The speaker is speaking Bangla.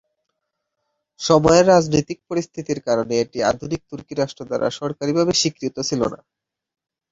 সময়ের রাজনৈতিক পরিস্থিতির কারণে, এটি আধুনিক তুর্কি রাষ্ট্র দ্বারা সরকারীভাবে স্বীকৃত ছিল না।